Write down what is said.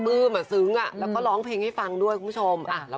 ดูสันหวานหัวใจที่มอยกาวโฟษา